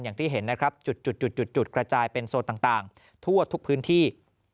อย่างที่เห็นนะครับจุดกระจายเป็นโซนต่างทั่วทุกพื้นที่